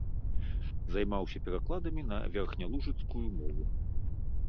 Займаўся перакладамі на верхнялужыцкую мову.